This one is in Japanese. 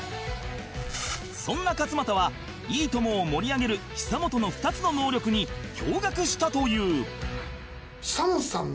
そんな勝俣は『いいとも！』を盛り上げる久本の２つの能力に驚愕したという